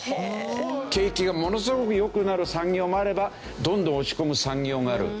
景気がものすごく良くなる産業もあればどんどん落ち込む産業がある。